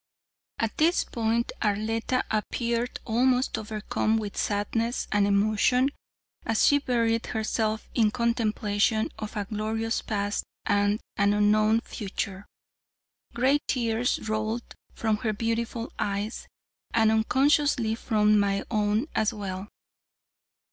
At this point Arletta appeared almost overcome with sadness and emotion as she buried herself in contemplation of a glorious past and an unknown future. Great tears rolled from her beautiful eyes, and unconsciously from my own as well.